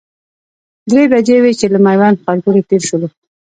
درې بجې وې چې له میوند ښارګوټي تېر شولو.